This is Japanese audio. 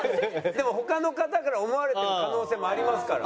でも他の方から思われてる可能性もありますから。